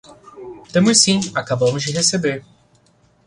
Temos sim, acabamos de receber.